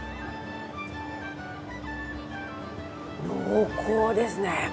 濃厚ですね。